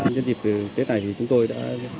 nhân dịp tết này thì chúng tôi đã